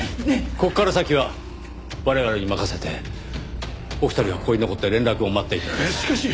ここから先は我々に任せてお二人はここに残って連絡を待っていてください。